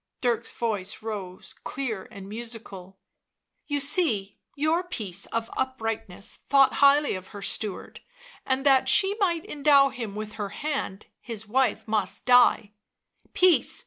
Dirk's voice rose clear and musical. " You see your piece of uprightness thought highly of her steward, and that she might endow him with her hand his wife must die " "Peace!